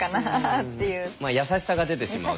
優しさが出てしまうと。